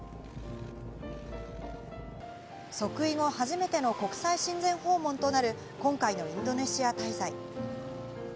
即位後初めての国際親善訪問となる今回のインドネシア滞在。